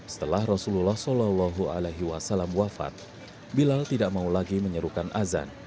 setelah rasulullah saw wafat bilal tidak mau lagi menyerukan azan